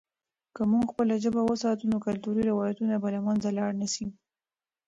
که موږ خپله ژبه وساتو، نو کلتوري روایتونه به له منځه لاړ نه سي.